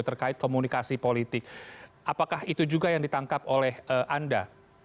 terkait komunikasi politik apakah itu juga yang ditangkap oleh anda